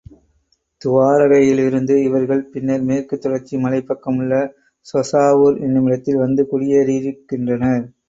துவாரகையிலிருந்த இவர்கள், பின்னர் மேற்குத் தொடர்ச்சி மலைப் பக்கமுள்ள சொசாவூர் என்னுமிடத்தில் வந்து குடியேறியிருக்கின்றனர்.